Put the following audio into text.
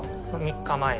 ３日前。